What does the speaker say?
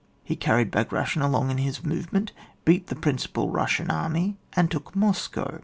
He carried Bagration along in his movement, beat the principal RuBsian army, and took Moscow.